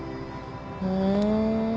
ふん。